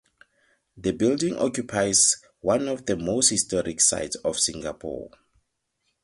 The building occupies one of the most historic sites of Singapore.